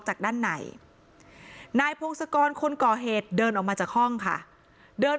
จากด้านในนายพงศกรคนก่อเหตุเดินออกมาจากห้องค่ะเดิน